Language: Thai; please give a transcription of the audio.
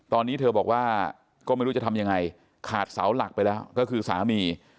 ตอนนี้เธอบอกว่าก็ไม่รู้จะทำยังไงขาดเสาหลักไปแล้วก็คือสามี